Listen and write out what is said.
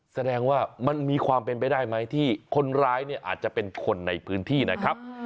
แสดงว่ามันมีความเป็นไปได้ไหมที่คนร้ายเนี่ยอาจจะเป็นคนในพื้นที่นะครับ